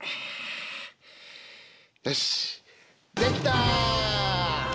よしっできた！